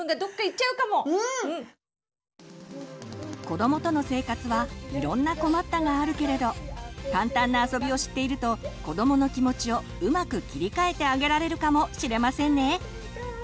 子どもとの生活はいろんな困ったがあるけれど簡単なあそびを知っていると子どもの気持ちをうまく切り替えてあげられるかもしれませんね！